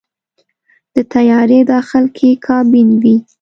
د طیارې داخل کې کابین وي.